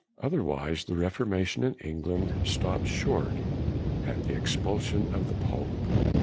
Otherwise, the Reformation in England stopped short at the expulsion of the pope.